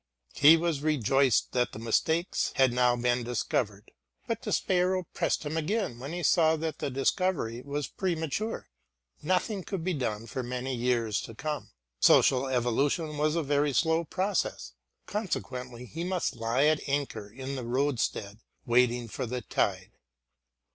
He was rejoiced that the mistakes had now been discovered, but despair oppressed him again when he saw that the discovery was premature. Nothing could be done for many years to come. Social evolution was a very slow process. Consequently he must lie at anchor in the roadstead waiting for the tide.